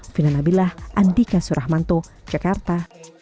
fina nabilah andika surahmanto jakarta